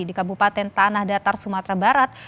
di kabupaten tanah datar sumatera barat